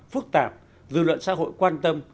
phức tạp dư luận xã hội quan tâm